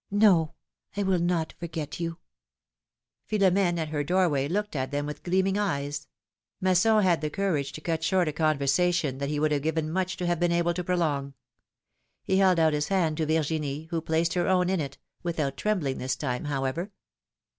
No, I will not forget you 1 " Philom^ne at her doorway looked at them with gleam ing eyes. Masson had the courage to cut short a conver sation that he would have given much to have been able to prolong. He held out his hand to Virginie, who placed her own in it, without trembling this time, however.